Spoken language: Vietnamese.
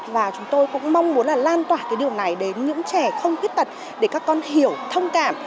và chúng tôi cũng mong muốn là lan tỏa cái điều này đến những trẻ không khuyết tật để các con hiểu thông cảm